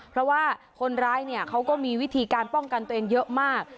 เพราะว่าคนร้ายเนี่ยเขาก็มีวิธีการป้องกันตัวเองเยอะมาก